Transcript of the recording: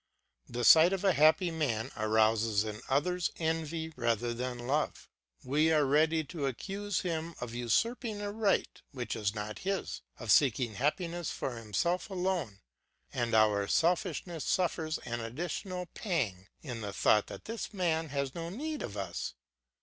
The sight of a happy man arouses in others envy rather than love, we are ready to accuse him of usurping a right which is not his, of seeking happiness for himself alone, and our selfishness suffers an additional pang in the thought that this man has no need of us.